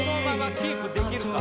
キープできるか。